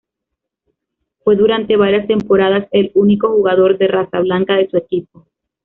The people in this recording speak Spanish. Fue, durante varias temporadas, el único jugador de raza blanca de su equipo.